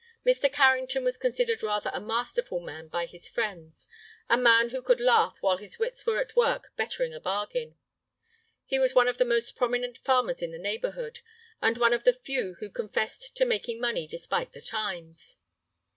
Mr. Carrington was considered rather a masterful man by his friends, a man who could laugh while his wits were at work bettering a bargain. He was one of the most prominent farmers in the neighborhood, and one of the few who confessed to making money despite the times.